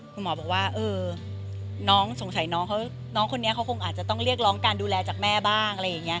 คุณหมอบอกว่าน้องคนนี้เขาคงอาจจะต้องเรียกร้องการดูแลจากแม่บ้าง